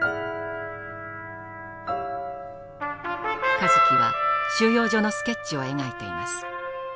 香月は収容所のスケッチを描いています。